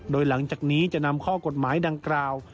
โดยหลังจากนี้จะนำข้อกฎหมายดังกล่าว